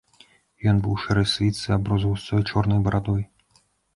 Ён быў у шэрай світцы, аброс густой чорнай барадой.